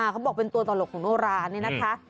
เขาบอกเป็นตัวตลกของโนรานี่นะคะ